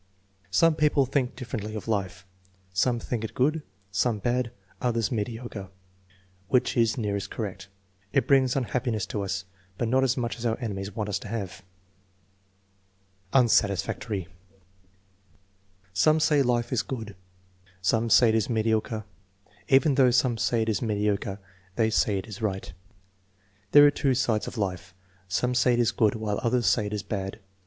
"Some people think differently of life. Some think it good, some bad, others mediocre, which is nearest correct. It brings unhappi ness to us, but not as much as our enemies want us to have." Unsatisfactory. " Some say life is good, some say it is mediocre. Even though some say it is mediocre they say it is right." "There are two sides of life. Some say it is good while others say it is bad.